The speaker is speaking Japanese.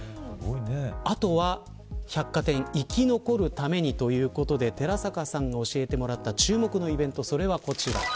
あとは百貨店生き残るためにということで寺坂さんに教えてもらった注目のイベントがこちら。